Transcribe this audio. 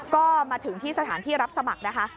ก็มาถึงที่สถานที่รับสมัครนะคะ